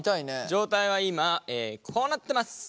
状態は今こうなってます。